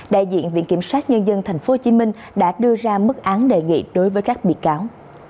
đại diện viện kiểm sát nhân dân tp hcm đã đưa ra mức án đề nghị đối với các bị cáo